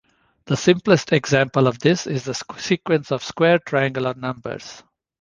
The simplest example of this is the sequence of square triangular numbers.